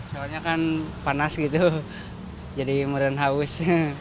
soalnya kan panas gitu jadi meran haus